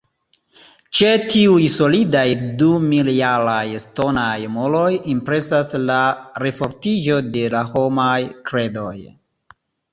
Ĉe tiuj solidaj dumiljaraj ŝtonaj muroj impresas la refortiĝo de la homaj kredoj.